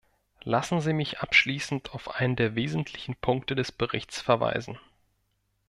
Lassen Sie mich abschließend auf einen der wesentlichen Punkte des Berichts verweisen.